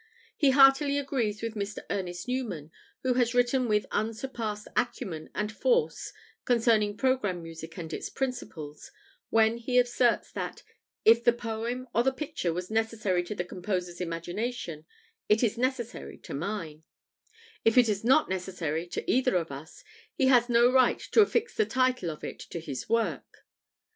He heartily agrees with Mr. Ernest Newman, who has written with unsurpassed acumen and force concerning programme music and its principles, when he asserts that "if the poem or the picture was necessary to the composer's imagination, it is necessary to mine; if it is not necessary to either of us, he has no right to affix the title of it to his work